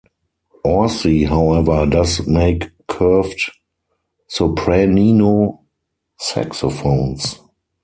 Orsi, however, does make curved sopranino saxophones.